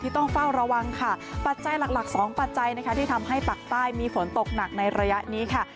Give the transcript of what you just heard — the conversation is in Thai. ต้องเฝ้าระวังค่ะปัจจัยหลักหลักสองปัจจัยนะคะที่ทำให้ปากใต้มีฝนตกหนักในระยะนี้ค่ะ